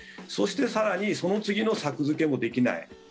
そして更にその次の作付けもできない。